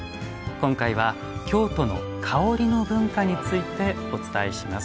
今回は「京都の香りの文化」についてお伝えします。